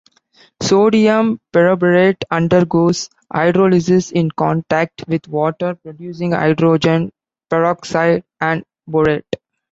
Sodium perborate undergoes hydrolysis in contact with water, producing hydrogen peroxide and borate.